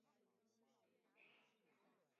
经常与友好学校互换交换生。